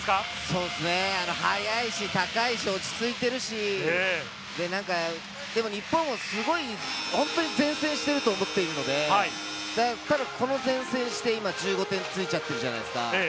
そうですね、速いし、高いし、落ち着いてるし、でも日本はすごい本当に善戦していると思っているので、ただ、この善戦して今１５点ついちゃってるじゃないですか。